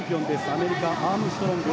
アメリカ、アームストロング。